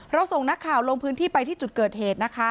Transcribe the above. ส่งนักข่าวลงพื้นที่ไปที่จุดเกิดเหตุนะคะ